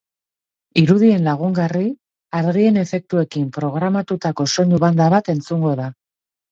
Irudien lagungarri, argien efektuekin programatutako soinu banda bat entzungo da.